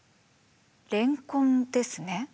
レンコンですね。